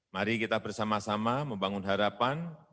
mari kita bersama sama membangun harapan